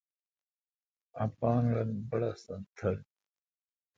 اپان رل بّڑّستن تھل۔